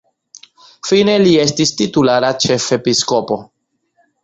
Fine li estis titulara ĉefepiskopo.